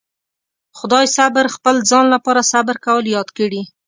خدای صبر خپل ځان لپاره صبر کول ياد کړي.